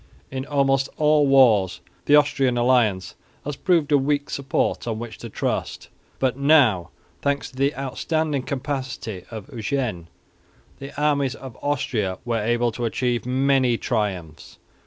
In almost all wars the Austrian alliance has proved a weak support on which to trust; but now, thanks to the outstanding capacity of Eugene, the armies of Austria were able to achieve many triumphs.